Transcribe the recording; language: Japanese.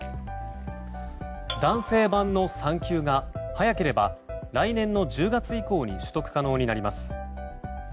男性版の産休が早ければ来年の１０月以降にも取得可能になります。